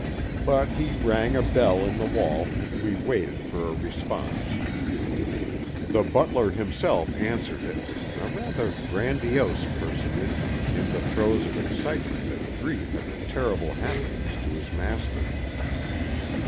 But he rang a bell in the wall, and we waited for a response. The butler himself answered it, a rather grandiose personage in the throes of excitement and grief at the terrible happenings to his master.